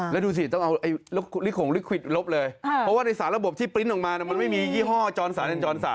แล้วดูสิต้องเอาลิขงลิขวิดลบเลยเพราะว่าในสารระบบที่ปริ้นต์ออกมามันไม่มียี่ห้อจรสารเล่นจรสระ